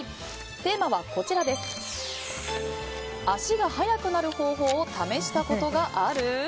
テーマは、足が速くなる方法を試したことがある？